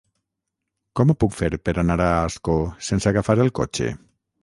Com ho puc fer per anar a Ascó sense agafar el cotxe?